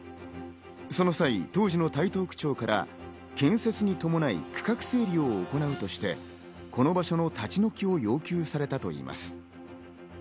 その際、当時の台東区長から建設に伴い、区画整理を行うとしてこの場所の立ち退きを要求されたといいます。